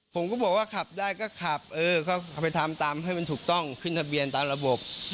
ผมก็บอกว่าขับได้ก็ขับเออก็เอาไปทำตามให้มันถูกต้องขึ้นทะเบียนตามระบบ